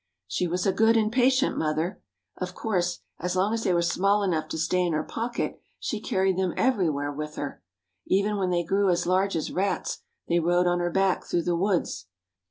She was a good and patient mother. Of course, as long as they were small enough to stay in her pocket she carried them everywhere with her. Even when they grew as large as rats they rode on her back through the woods.